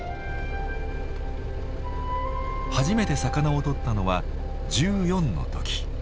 初めて魚を獲ったのは１４の時。